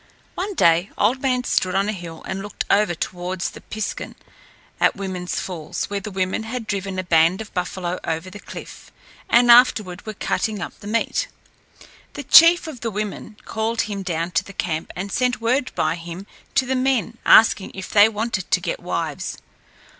One day Old Man stood on a hill and looked over toward the piskun at Woman's Falls, where the women had driven a band of buffalo over the cliff, and afterward were cutting up the meat. The chief of the women called him down to the camp, and sent word by him to the men, asking if they wanted to get wives.